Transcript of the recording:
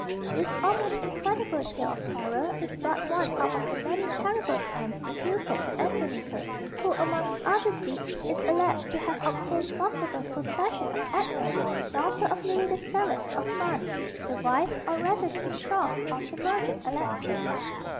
This almost incredible tale of horror is but one out of the many terrible crimes imputed to Andronicus, who amongst other deeds is alleged to have obtained forcible possession of Agnes, daughter of Louis the Seventh of France, the wife, or rather the betrothed, of the murdered Alexis.